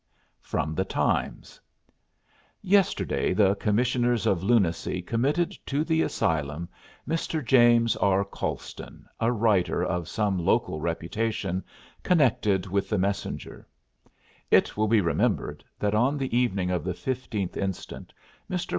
FROM "THE TIMES" "Yesterday the Commissioners of Lunacy committed to the asylum Mr. James R. Colston, a writer of some local reputation, connected with the Messenger. It will be remembered that on the evening of the 15th inst. Mr.